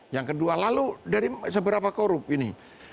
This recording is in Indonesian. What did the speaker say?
yang kedua lalu dari seberapa korup ini